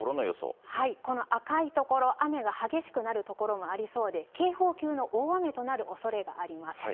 この赤い所、雨が激しくなる所もありそうで、警報級の大雨となるおそれがあります。